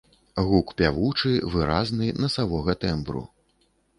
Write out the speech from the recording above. Гук пявучы, выразны, насавога тэмбру.